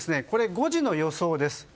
これは５時の予想です。